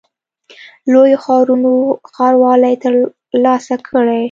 لویو ښارونو ښاروالۍ ترلاسه کړې.